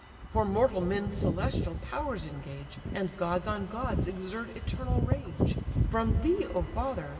For mortal men celestial powers engage, And gods on gods exert eternal rage: From thee, O father!